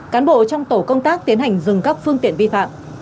cán bộ trong tổ công tác tiến hành dừng các phương tiện vi phạm